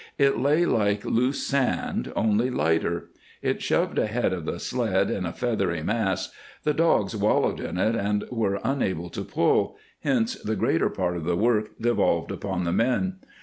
It lay like loose sand, only lighter; it shoved ahead of the sled in a feathery mass; the dogs wallowed in it and were unable to pull, hence the greater part of the work devolved upon the men.